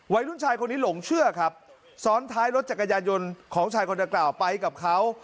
วัยรุ่นชายคนนี้หลงเชื่อครับซ้อนท้ายรถจักรยานยนต์ของชายคนดังกล่าวไปกับเขา